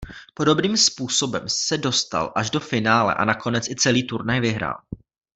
Podobným způsobem se dostal až do finále a nakonec i celý turnaj vyhrál.